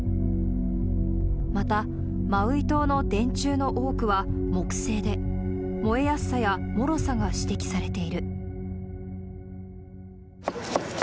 また、マウイ島の電柱の多くは木製で、燃えやすさやもろさが指摘されている。